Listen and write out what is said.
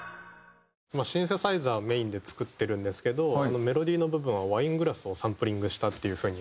シンセサイザーメインで作ってるんですけどあのメロディーの部分はワイングラスをサンプリングしたっていう風に。